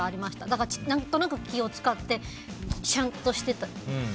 だから、何となく気を使ってちゃんとしてた。